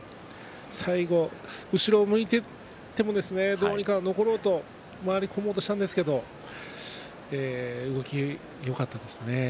最後、後ろを向いてもどうにか残ろうと回り込もうとしたんですけど動きがよかったですね。